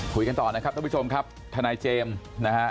คุยกันต่อนะครับท่านผู้ชมครับทนายเจมส์นะฮะ